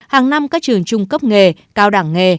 hàng năm các trường trung cấp nghề cao đẳng nghề